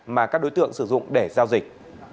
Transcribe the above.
mà các đối tượng sử dụng để giao dịch